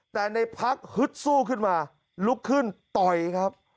แต่ในพักฮึดสู้ขึ้นมาลุกขึ้นต่อยครับ